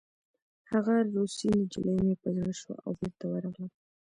هغه روسۍ نجلۍ مې په زړه شوه او بېرته ورغلم